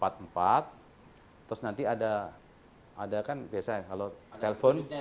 terus nanti ada kan biasa kalau telpon